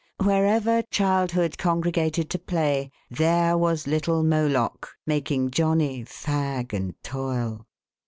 Wherever childhood congregated to play, there wa^ little Moloch making Johnny fag and toil.